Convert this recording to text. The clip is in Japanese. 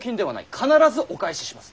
必ずお返しします。